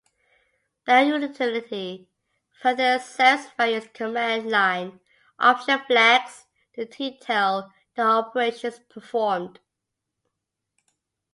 The utility further accepts various command line option flags to detail the operations performed.